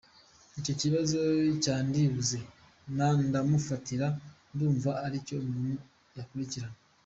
Icyo kibazo cya ndibuze na ndamufatira ndumva aricyo umuntu yakurikirana.